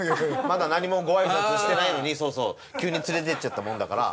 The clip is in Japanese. まだ何もごあいさつしてないのに急に連れていっちゃったもんだから。